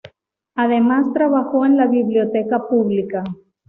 Además trabajó en la biblioteca pública.